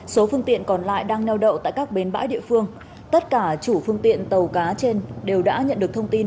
số phương tiện còn lại đang neo đậu tại các bến bãi địa phương tất cả chủ phương tiện tàu cá trên đều đã nhận được thông tin